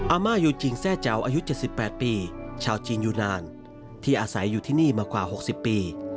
มายูจริงแซ่เจ้าอายุ๗๘ปีชาวจีนยูนานที่อาศัยอยู่ที่นี่มากว่า๖๐ปี